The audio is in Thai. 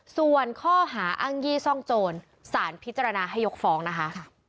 ส่วนข้อหาอ้างยี่ซ่องโจรสารพิจารณาให้ยกฟ้องนะคะ